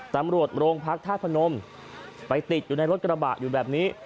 ตำรวจโรงพักธาตุพนมไปติดอยู่ในรถกระบะอยู่แบบนี้